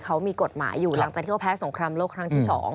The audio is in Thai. เขามีกฎหมายอยู่หลังจากที่เขาแพ้สงครามโลกครั้งที่๒